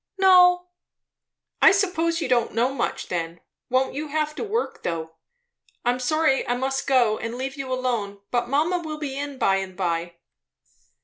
"No." "I suppose you don't know much, then. Won't you have to work, though! I am sorry I must go and leave you alone; but mamma will be in by and by."